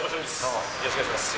よろしくお願いします。